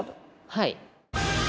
はい。